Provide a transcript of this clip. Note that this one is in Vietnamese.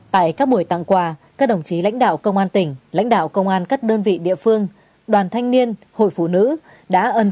tại các buổi tặng quà các đồng chí lãnh đạo công an tỉnh lãnh đạo công an các đơn vị địa phương đoàn thanh niên hội phụ nữ đã ân